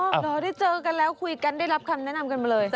เหรอได้เจอกันแล้วคุยกันได้รับคำแนะนำกันมาเลย